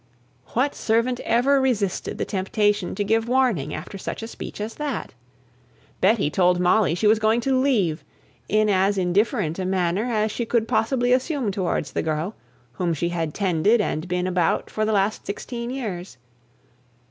What servant ever resisted the temptation to give warning after such a speech as that? Betty told Molly she was going to leave, in as indifferent a manner as she could possibly assume towards the girl whom she had tended and been about for the last sixteen years.